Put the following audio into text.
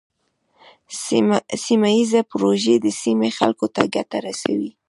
سیمه ایزې پروژې د سیمې خلکو ته ګټه رسوي.